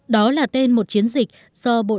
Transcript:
đó là tên một chiến dịch do bộ đảng